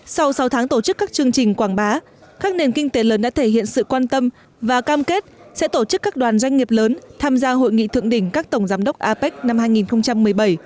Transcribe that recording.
sau sáu tháng tổ chức các chương trình quảng bá các nền kinh tế lớn đã thể hiện sự quan tâm và cam kết sẽ tổ chức các đoàn doanh nghiệp lớn tham gia hội nghị thượng đỉnh các tổng giám đốc apec năm hai nghìn một mươi bảy